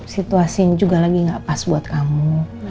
situasinya juga lagi gak pas buat kamu